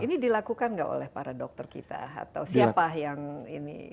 ini dilakukan nggak oleh para dokter kita atau siapa yang ini